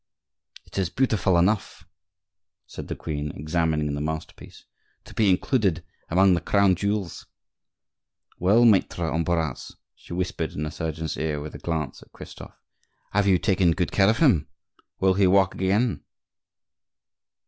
"It is beautiful enough," said the queen, examining the masterpiece, "to be included among the crown jewels. Well, Maitre Ambroise," she whispered in the surgeon's ear, with a glance at Christophe, "have you taken good care of him? Will he walk again?"